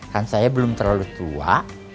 kan saya belum terlalu tua